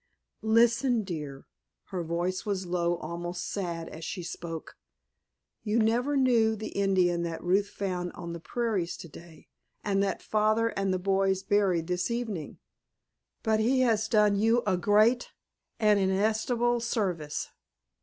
"Listen, dear," her voice was low, almost sad, as she spoke, "you never knew the Indian that Ruth found on the prairies to day and that Father and the boys buried this evening, but he has done you a great, an inestimable service.